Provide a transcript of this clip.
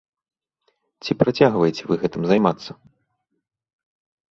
Ці працягваеце вы гэтым займацца?